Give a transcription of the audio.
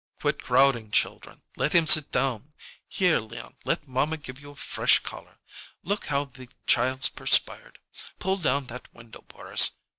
"Quit crowding, children. Let him sit down. Here, Leon, let mamma give you a fresh collar. Look how the child's perspired. Pull down that window, Boris.